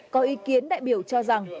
có ý kiến đại biểu cho rằng